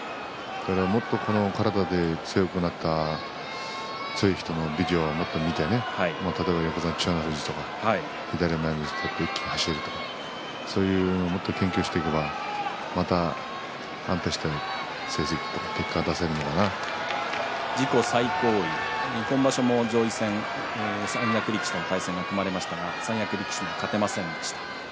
もっとこの体で強くなった強い人のビデオをもっと見て例えば、横綱千代の富士とか左前みつ取って一気に走るとかそういうのをもっと研究していけばまた安定した成績自己最高位今場所も上位戦三役力士との対戦が組まれましたが三役力士には勝てませんでした。